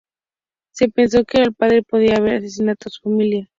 Se pensó que el padre podría haber asesinado a su familia.